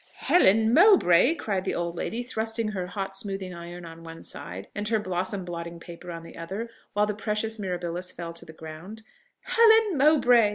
"Helen Mowbray!" cried the old lady, thrusting her hot smoothing iron on one side, and her blossom blotting paper on the other, while the precious mirabilis fell to the ground; "Helen Mowbray!"